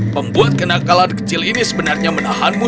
pembuat kenakalan kecil ini sebenarnya menahanmu